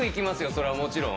それはもちろん。